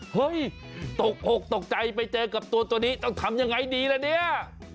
เฮ้ยตกอกตกใจไปเจอกับตัวนี้ต้องทำยังไงดีล่ะเนี่ย